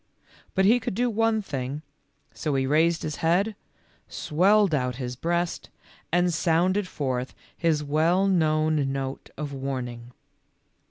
But he could do one thing, so he raised his head, swelled out his breast, and sounded forth his well known note of warn ing.